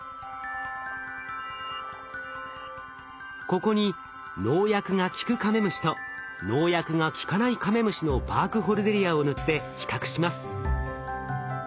ここに農薬が効くカメムシと農薬が効かないカメムシのバークホルデリアを塗って比較します。